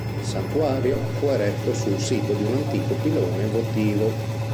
Il santuario fu eretto sul sito di un antico pilone votivo.